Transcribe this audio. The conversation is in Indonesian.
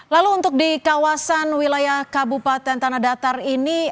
lalu untuk di kawasan wilayah kabupaten tanah datar ini